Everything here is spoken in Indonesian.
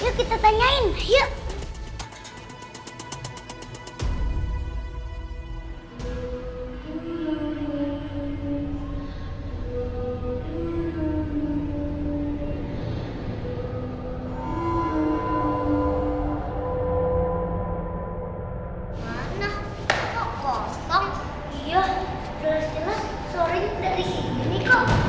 iya kelas kelas sorenya dari sini kok